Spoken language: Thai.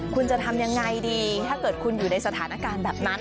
คุณจะทำยังไงดีถ้าเกิดคุณอยู่ในสถานการณ์แบบนั้น